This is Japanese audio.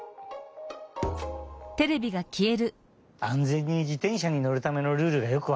安全に自転車にのるためのルールがよくわかったよ！